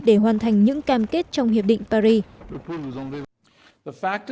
để hoàn thành những cam kết trong hiệp định paris